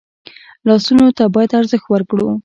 لاسونه ته باید ارزښت ورکړو